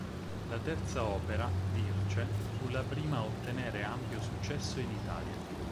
La terza opera, "Dirce", fu la prima a ottenere ampio successo in Italia.